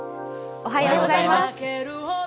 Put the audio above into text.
おはようございます。